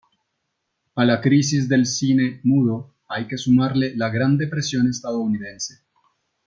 A la crisis del cine mudo hay que sumarle la Gran Depresión estadounidense.